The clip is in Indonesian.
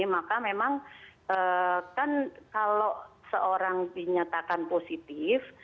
maka memang kan kalau seorang dinyatakan positif